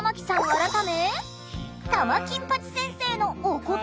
改め玉金八先生のお言葉です。